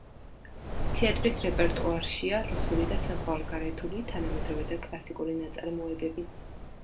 თეატრის რეპერტუარშია რუსული და საზღვარგარეთული თანამედროვე და კლასიკური ნაწარმოებები.